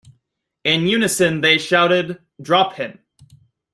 In unison they shouted: 'Drop him'.